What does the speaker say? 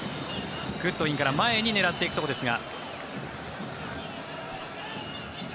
グッドウィンから前に狙っていくところですが。